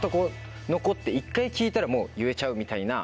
１回聴いたら言えちゃうみたいな。